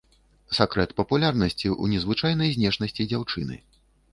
Сакрэт папулярнасці ў незвычайнай знешнасці дзяўчыны.